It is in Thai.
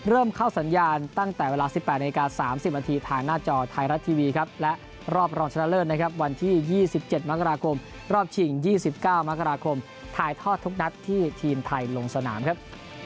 เริ่มเข้าสัญญาณตั้งแต่เวลา๑๘นาที๓๐นาทีทางหน้าจอไทยรัฐทีวีครับและรอบรองชนะเลิศนะครับวันที่๒๗มกราคมรอบชิง๒๙มกราคมถ่ายทอดทุกนัดที่ทีมไทยลงสนามครับ